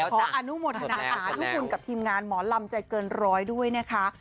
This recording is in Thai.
ขออนุโมทนาสาธุคุณกับทีมงานหมอลำใจเกินร้อยด้วยนะคะ